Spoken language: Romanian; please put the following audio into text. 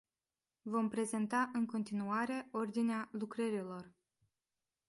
Vom prezenta în continuare ordinea lucrărilor.